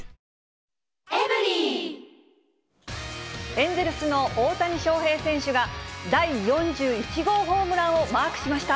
エンゼルスの大谷翔平選手が、第４１号ホームランをマークしました。